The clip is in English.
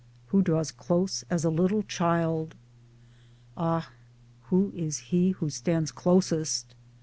Who draws close as a little child ? Ah ! who is he who stands closest